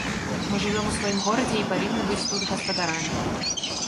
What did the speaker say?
Мы жывём у сваім горадзе і павінны быць тут гаспадарамі.